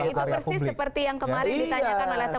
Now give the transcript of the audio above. itu persis seperti yang kemarin ditanyakan